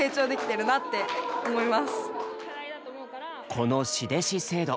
この「師弟子制度」。